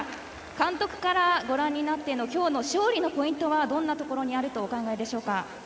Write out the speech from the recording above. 監督からご覧になっての今日の勝利のポイントはどんなところにあるとお考えでしょうか。